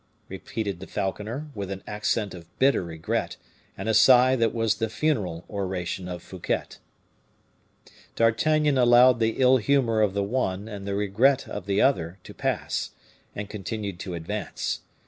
repeated the falconer, with an accent of bitter regret and a sigh that was the funeral oration of Fouquet. D'Artagnan allowed the ill humor of the one and the regret of the other to pass, and continued to advance.